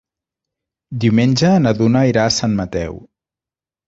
Diumenge na Duna irà a Sant Mateu.